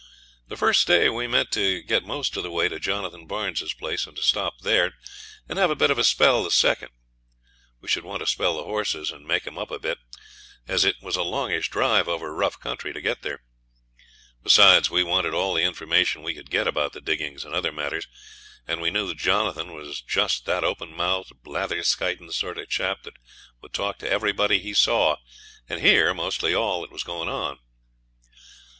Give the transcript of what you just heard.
The first day we meant to get most of the way to Jonathan Barnes's place, and to stop there, and have a bit of a spell the second. We should want to spell the horses and make 'em up a bit, as it was a longish drive over rough country to get there. Besides, we wanted all the information we could get about the diggings and other matters, and we knew Jonathan was just that open mouthed, blatherskitin' sort of chap that would talk to everybody he saw, and hear mostly all that was going on.